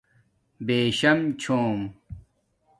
بِشݳم چھُݹم